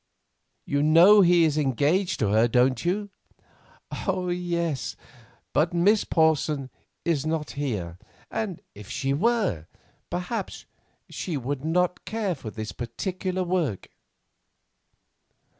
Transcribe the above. You know he is engaged to her, don't you?" "Yes, but Miss Porson is not here; and if she were, perhaps she would not care for this particular work."